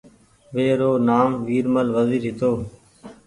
وي رو نآم ورمل وزير هيتو